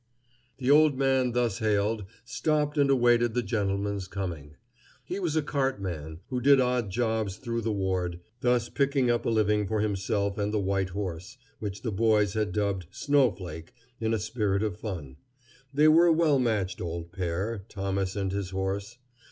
The old man thus hailed stopped and awaited the gentleman's coming. He was a cartman who did odd jobs through the ward, thus picking up a living for himself and the white horse, which the boys had dubbed Snowflake in a spirit of fun. They were a well matched old pair, Thomas and his horse.